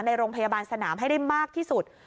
ในโรงพยาบาลสนามให้ได้มากที่สุด